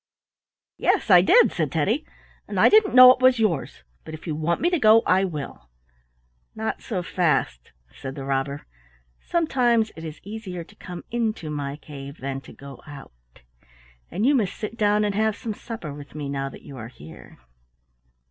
ho!" "Yes, I did," said Teddy, "and I didn't know it was yours, but if you want me to go I will." "Not so fast," said the robber. "Sometimes it is easier to come into my cave than to go out, and you must sit down and have some supper with me now that you are here."